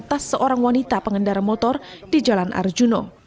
tas seorang wanita pengendara motor di jalan arjuna